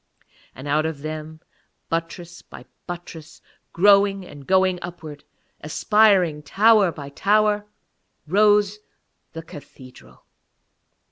And out of them, buttress by buttress, growing and going upwards, aspiring tower by tower, rose the cathedral.